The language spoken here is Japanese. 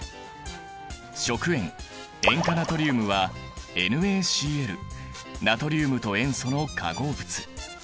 食塩塩化ナトリウムはＮａＣｌナトリウムと塩素の化合物。